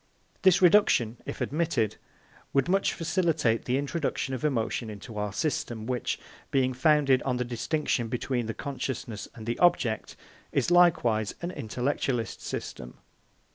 This reduction, if admitted, would much facilitate the introduction of emotion into our system, which, being founded on the distinction between the consciousness and the object, is likewise an intellectualist system.